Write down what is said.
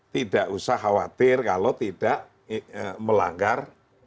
tidak usah khawatir kalau tidak melanggar